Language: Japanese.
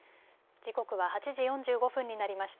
時刻は８時４５分になりました。